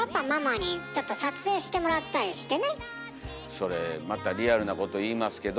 それまたリアルなこと言いますけど。